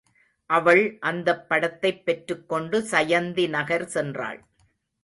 அவள் அந்தப் படத்தைப் பெற்றுக்கொண்டு சயந்தி நகர் சென்றாள்.